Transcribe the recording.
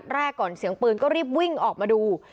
แรกก่อนเสียงปืนก็รีบวิ่งออกมาดู